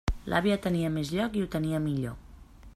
L'àvia tenia més lloc i ho tenia millor.